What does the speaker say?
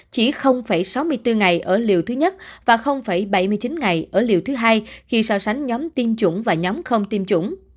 chỉ sáu mươi bốn ngày ở liều thứ nhất và bảy mươi chín ngày ở liều thứ hai khi so sánh nhóm tiêm chủng và nhóm không tiêm chủng